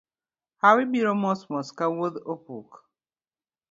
Hawi biro mos mos ka wuodh opuk.